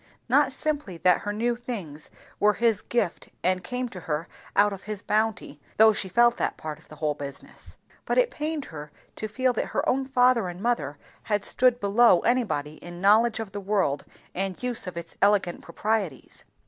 Not simply that her new things were his gift and came to her out of his bounty, though she felt that part of the whole business; but it pained her to feel that her own father and mother had stood below anybody in knowledge of the world and use of its elegant proprieties.